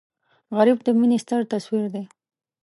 غریب د مینې ستر تصویر دی